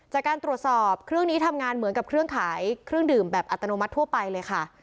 จากการตรวจสอบเครื่องนี้ทำงานเหมือนกับเครื่องขายเครื่องดื่มแบบอัตโนมัติทั่วไปเลยค่ะ